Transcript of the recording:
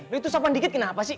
lu itu sopan dikit kenapa sih